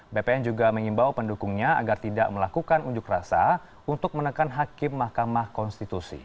bpn juga mengimbau pendukungnya agar tidak melakukan unjuk rasa untuk menekan hakim mahkamah konstitusi